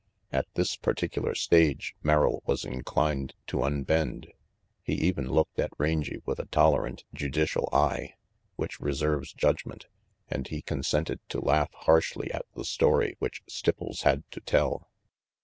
At this par ticular stage Merrill was inclined to unbend; he even looked at Rangy with a tolerant, judicial eye, which reserves judgment, and he consented to laugh harshly at the story which Stipples had to tell.